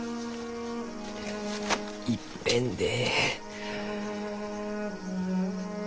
いっぺんでえい